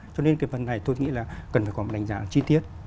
cho nên cái phần này tôi nghĩ là cần phải có một đánh giá chi tiết